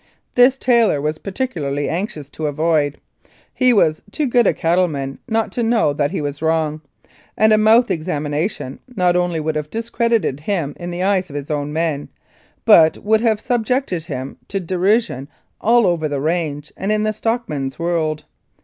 This Taylor was particularly anxious to avoid; he was too good a cattleman not to know that he was wrong, and a mouth examination not only would have discredited him in the eyes of his own men, but would have sub jected him to derision all over the range and in the stockmen's world.